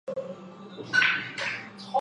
帕科蒂是巴西塞阿拉州的一个市镇。